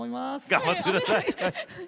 頑張って下さい！